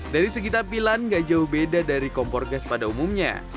dari segi tampilan gak jauh beda dari kompor gas pada umumnya